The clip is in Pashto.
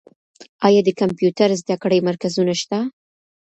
آیا د کمپیوټر زده کړې مرکزونه شته؟